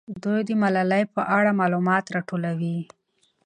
دوی د ملالۍ په اړه معلومات راټولوي.